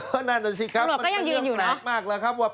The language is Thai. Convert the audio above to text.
คุณหลวงก็ยังยืนอยู่เนาะ